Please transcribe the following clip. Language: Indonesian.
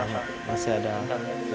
nggak salah malam lho ya